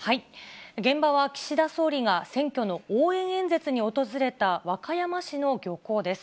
現場は岸田総理が選挙の応援演説に訪れた和歌山市の漁港です。